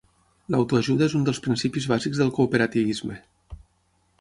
L'autoajuda és un dels principis bàsics del cooperativisme.